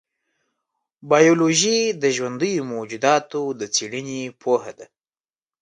بایولوژي د ژوندیو موجوداتو د څېړنې پوهه ده.